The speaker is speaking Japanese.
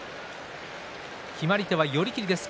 決まり手は寄り切りです。